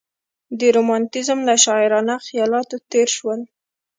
د رومانتیزم له شاعرانه خیالاتو تېر شول.